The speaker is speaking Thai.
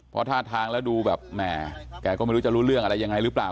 เพราะท่าทางแล้วดูแบบแหมแกก็ไม่รู้จะรู้เรื่องอะไรยังไงหรือเปล่า